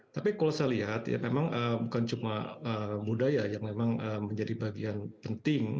tapi kalau saya lihat ya memang bukan cuma budaya yang memang menjadi bagian penting